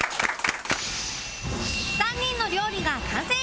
３人の料理が完成！